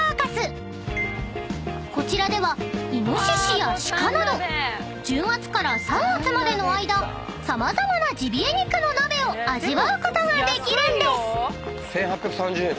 ［こちらではイノシシやシカなど１０月から３月までの間様々なジビエ肉の鍋を味わうことができるんです］